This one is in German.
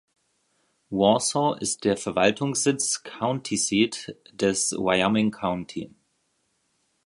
Warsaw ist der Verwaltungssitz (County Seat) des Wyoming County.